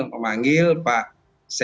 perangkat tikusha sih ya